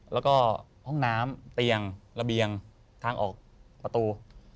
แล้วก็ห้องน้ำเตียงระเบียงทางออกประตู